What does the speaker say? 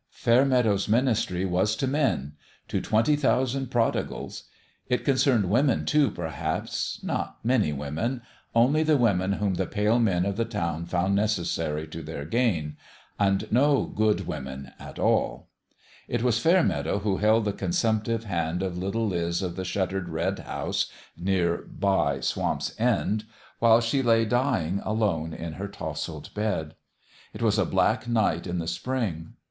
Fairmeadow's ministry was to men to twenty thousand prodigals. It concerned women, too, perhaps : not many women only the women whom the pale men of the towns found necessary to their gain and no good women, at all It ON THE GRADE 215 was Fairmeadow who held the consumptive hand of little Liz of the shuttered red house near by Swamp's End while she lay dying alone in her tousled bed. It was a black night in the spring.